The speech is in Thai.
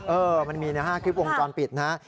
เออมันมีนะครับคลิปองค์ก่อนปิดนะฮะ